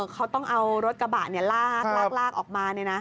เขาต้องเอารถกระบะลากออกมา